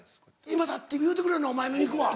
「今だ」って言うてくれるのお前の肉は。